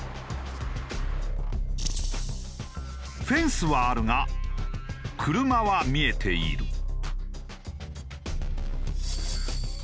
フェンスはあるが車は見えている。